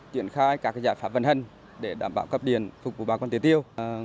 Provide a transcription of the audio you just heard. chuyển khai các giải pháp vận hình để đảm bảo cấp điện phục vụ bà con tưới tiêu